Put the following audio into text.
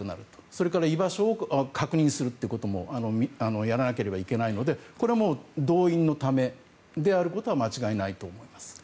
それから居場所を確認することもやらなければいけないのでこれは動員のためであることは間違いないと思います。